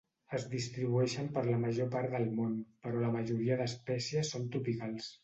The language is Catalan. Es distribueixen per la major part del món, però la majoria d'espècies són tropicals.